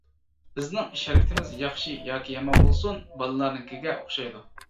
بىزنىڭ ئىش-ھەرىكىتىمىز ياخشى ياكى يامان بولسۇن، بالىلارنىڭكىگە ئوخشايدۇ.